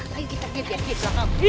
biar dia belakangan